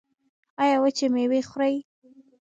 ایا وچې میوې خورئ؟